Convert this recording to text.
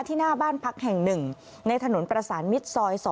หน้าบ้านพักแห่ง๑ในถนนประสานมิตรซอย๒